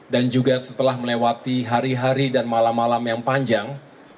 dan juga setelah melewati hari hari dan malam malam yang panjang